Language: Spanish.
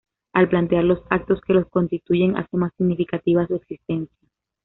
Al plantear los actos que los constituyen, hacen más significativa su existencia.